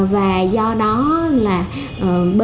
và do đó là bên cạnh những cái áp lực về vấn đề kinh phí